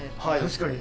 確かに！